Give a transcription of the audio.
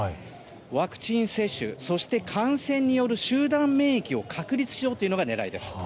ワクチン接種、そして感染による集団免疫を確立しようというのが狙いです。